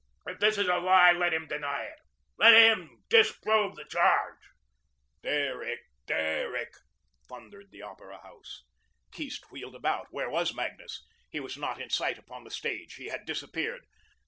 If this is a lie, let him deny it. Let HIM DISPROVE the charge." "Derrick, Derrick," thundered the Opera House. Keast wheeled about. Where was Magnus? He was not in sight upon the stage. He had disappeared.